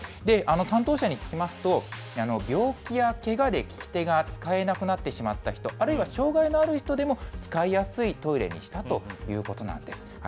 担当者に聞きますと、病気やけがで利き手が使えなくなってしまった人、あるいは障がいのある人でも使いやすいトイレにしたということなんです。